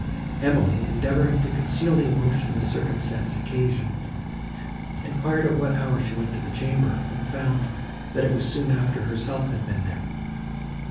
Emily, endeavouring to conceal the emotion this circumstance occasioned, enquired at what hour she went to the chamber, and found, that it was soon after herself had been there.